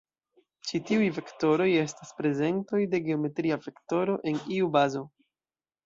Ĉi tiuj vektoroj estas prezentoj de geometria vektoro en iu bazo.